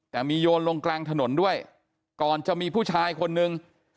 แต่มีโยนลงกลางถนนด้วยก่อนจะมีผู้ชายคนนึง